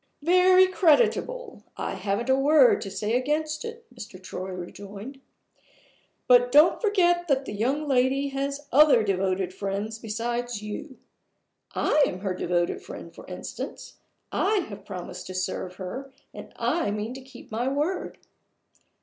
"Very creditable; I haven't a word to say against it," Mr. Troy rejoined. "But don't forget that the young lady has other devoted friends besides you. I am her devoted friend, for instance I have promised to serve her, and I mean to keep my word.